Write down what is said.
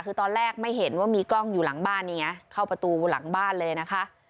คือตอนแรกไม่เห็นว่ามีกล้องอยู่หลังบ้านนี่ไงเข้าประตูหลังบ้านเลยนะคะ